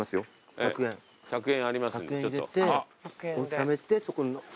納めてそこ。